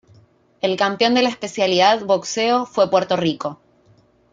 El campeón de la especialidad Boxeo fue Puerto Rico.